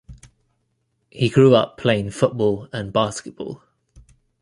He grew up playing football and basketball.